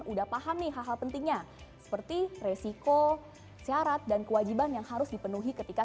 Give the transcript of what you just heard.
udah paham nih hal hal pentingnya seperti resiko syarat dan kewajiban yang harus dipenuhi ketika